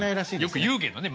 よく言うけどね。